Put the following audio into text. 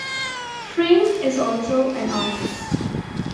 Frayne is also an artist.